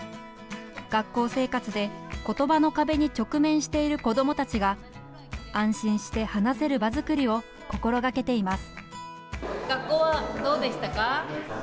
学校生活でことばの壁に直面している子どもたちが安心して話せる場作りを心がけています。